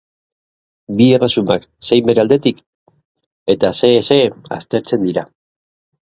Bi erresumak zein bere aldetik, eta xehe-xehe, aztertzen dira.